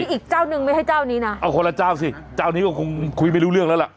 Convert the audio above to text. อีกเจ้าหนึ่งไม่ใช่เจ้านี้นะเอาคนละเจ้าสิเจ้านี้ก็คงคุยไม่รู้เรื่องแล้วล่ะ